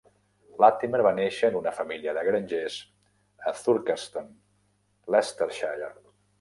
Latimer va néixer en una família de grangers a Thurcaston, Leicestershire.